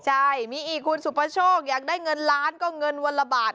ใช่มีอีกคุณสุประโชคอยากได้เงินล้านก็เงินวันละบาท